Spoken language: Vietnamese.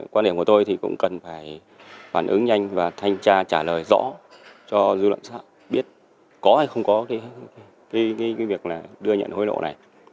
quan điểm của tôi thì cũng cần phải phản ứng nhanh và thanh tra trả lời rõ cho dư luận xã hội biết có hay không có việc là đưa nhận hối lộ này